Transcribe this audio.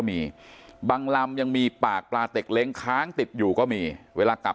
มีบางลำยังมีปากปลาเต็กเล้งค้างติดอยู่ก็มีเวลากลับ